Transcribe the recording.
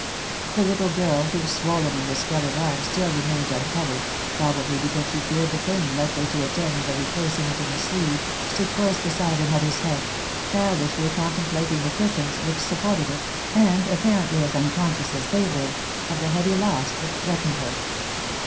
The little girl whose swollen and discoloured arm still remained un covered, probably because she feared the pain likely to attend the replacing it in the sleeve, stood close beside her mother's head, child ishly contemplating the cushions which supported it, and apparently as unconscious as they were, of the heavy loss that threatened her.